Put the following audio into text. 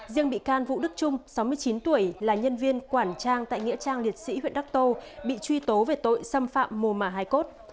riêng bị can vũ đức trung sáu mươi chín tuổi là nhân viên quản trang tại nghĩa trang liệt sĩ huyện đắc tô bị truy tố về tội xâm phạm mô mà hai cốt